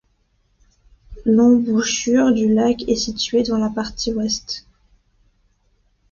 L'embouchure du lac est situé dans la partie ouest.